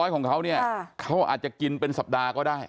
ของเขาเนี่ยเขาอาจจะกินเป็นสัปดาห์ก็ได้